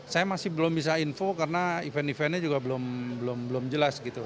saya masih belum bisa info karena event eventnya juga belum jelas gitu